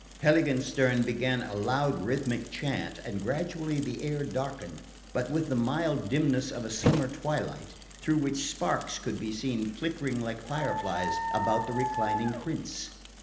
Heiligenstern began a loud rhythmic chant, and gradually the air darkened, but with the mild dimness of a summer twilight, through which sparks could be seen flickering like fire flies about the reclining prince.